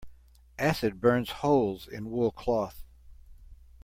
Acid burns holes in wool cloth.